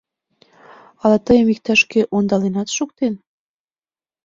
— Ала тыйым иктаж-кӧ ондаленат шуктен?